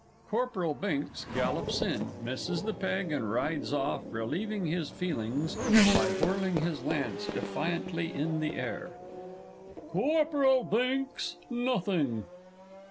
_ Corporal BINKS gallops in, misses the peg, and rides off, relieving his feelings by whirling his lance defiantly in the air.) Corporal Binks nothing!